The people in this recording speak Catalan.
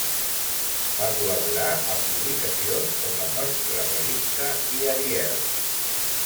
Va col·laborar amb publicacions com La Nostra Revista i Ariel.